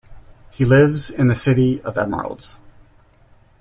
He lives in the City of Emeralds.